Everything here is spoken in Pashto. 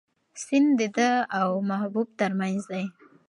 سیند د ده او محبوب تر منځ دی.